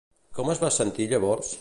Com es va sentir llavors?